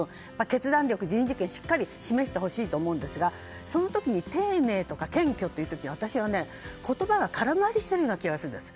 決断力、人事権をしっかり示してほしいと思いますがその時に丁寧とか謙虚という時私は言葉が空回りしているような気がするんです。